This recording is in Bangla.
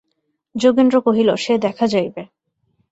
যোগেন্দ্র কহিল, সে দেখা যাইবে।